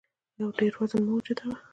ډېر وزن مه اوچتوه